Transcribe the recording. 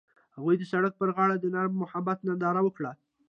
هغوی د سړک پر غاړه د نرم محبت ننداره وکړه.